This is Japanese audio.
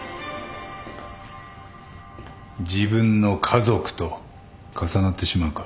自分の家族と重なってしまうか？